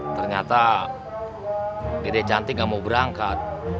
ternyata dede cantik nggak mau berangkat